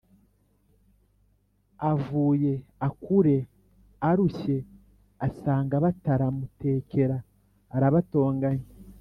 Avuye akure arushye asanga batara mutekera arabatonganya